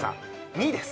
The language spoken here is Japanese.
２です。